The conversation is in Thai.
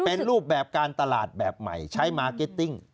เป็นรูปแบบการตลาดแบบใหม่ใช้มาร์เก็ตติ้ง